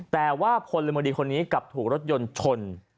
แต่ว่าพลเมืองดีคนนี้กลับถูกรถยนต์ชน